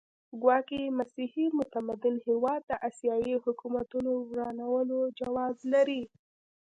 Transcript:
ګواکې مسیحي متمدن هېواد د اسیایي حکومتونو ورانولو جواز لري.